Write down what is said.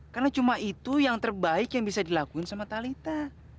karena cuma itu yang terbaik yang bisa dilakuin sama talita